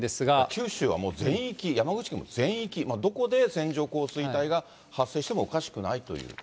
九州はもう全域、山口県も全域、どこで線状降水帯が発生してもおかしくないという。